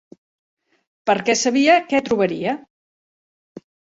Perquè sabia què trobaria.